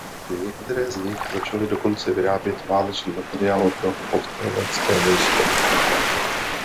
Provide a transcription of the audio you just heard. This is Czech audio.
Některé z nich začaly dokonce vyrábět válečný materiál pro povstalecké vojsko.